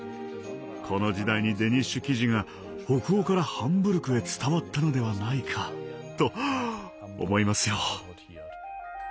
この時代にデニッシュ生地が北欧からハンブルクへ伝わったのではないかと思いますよ。